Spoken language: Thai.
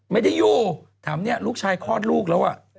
ไม่ได้อยู่ถามเนี่ยลูกชายคลอดลูกแล้วอ่ะ